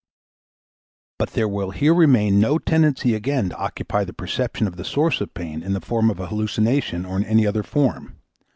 But there will here remain no tendency again to occupy the perception of the source of pain in the form of an hallucination or in any other form.